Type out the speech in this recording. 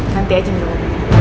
nanti aja dulu